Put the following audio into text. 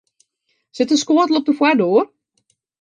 Sit de skoattel op de foardoar?